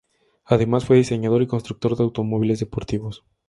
Además fue diseñador y constructor de automóviles deportivos.